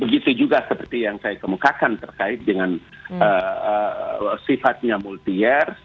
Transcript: begitu juga seperti yang saya kemukakan terkait dengan sifatnya multi years